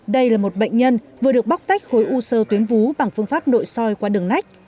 đây là một bệnh nhân vừa được bóc tách khối u sơ tuyến vú bằng phương pháp nội soi qua đường nách